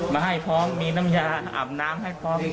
มาให้พร้อมมีน้ำยาอาบน้ำให้พร้อม